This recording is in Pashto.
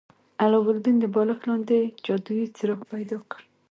علاوالدین د بالښت لاندې جادويي څراغ پیدا کړ.